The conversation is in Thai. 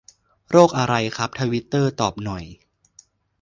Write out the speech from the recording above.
โรคอะไรครับ ทวิตเตอร์ตอบหน่อย